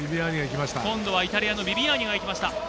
今度はイタリアのビリアーニがいきました。